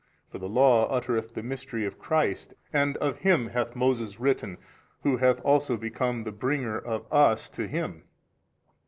for the Law uttereth the mystery of Christ and of Him hath Moses written, who hath also become the bringer of us to Him.